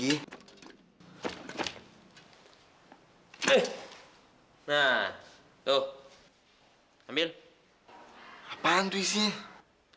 ih dasar resek